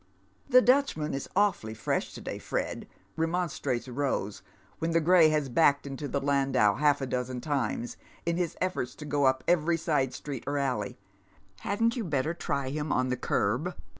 '* The Dutchman is awfully fresh to day, Fred," remonstrates Rose, when the gray has backed into the landau half a >lozen times, in his effons to go up every side street or alley ;'' hadn't you better try him on the curb